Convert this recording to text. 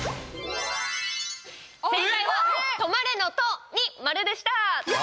正解はとまれの「と」に丸でした。